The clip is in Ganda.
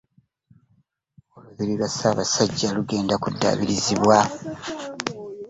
Olubiri lwa Ssabasajja lugenda kuddaabirizibwa.